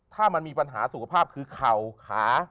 ถ้ามันมีปัญหาสุขภาพคือเข่าขา